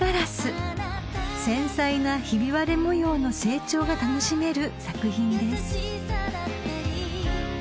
［繊細なひび割れ模様の成長が楽しめる作品です］